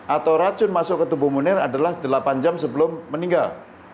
atau racun masuk ke tubuh munir adalah delapan jam sebelum meninggal